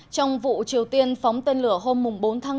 trong vụ triều tiên phóng tên lửa hôm bốn tháng năm